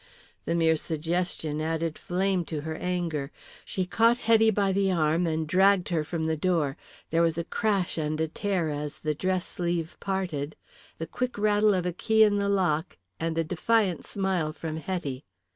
The mere suggestion added flame to her anger. She caught Hetty by the arm and dragged her from the door. There was a crash and a tear as the dress sleeve parted, the quick rattle of a key in the lock, and a defiant smile from Hetty.